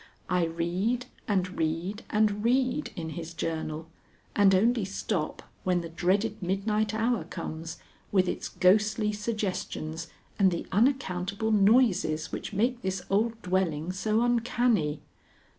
I read and read and read in his journal, and only stop when the dreaded midnight hour comes with its ghostly suggestions and the unaccountable noises which make this old dwelling so uncanny.